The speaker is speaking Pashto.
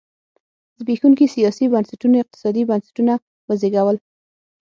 زبېښونکي سیاسي بنسټونو اقتصادي بنسټونه وزېږول.